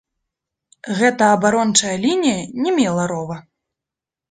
Гэта абарончая лінія не мела рова.